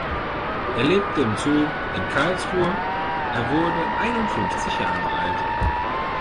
Er lebte im Zoo in Karlsruhe, er wurde einundfünfzig Jahre alt.